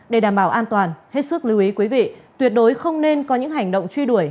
để đảm bảo an toàn hết sức lưu ý quý vị tuyệt đối không nên có những hành động truy đuổi